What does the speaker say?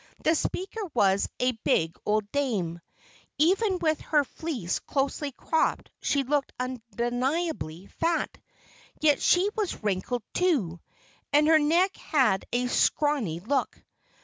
The speaker was a big old dame. Even with her fleece closely cropped she looked undeniably fat. Yet she was wrinkled, too. And her neck had a scrawny look.